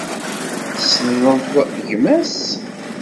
Tessneḍ gma-s?